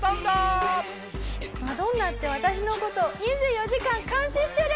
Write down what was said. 「マドンナって私のこと２４時間監視してる？」